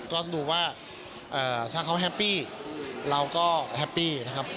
ต้องดูว่าถ้าเขาแฮปปี้เราก็แฮปปี้นะครับ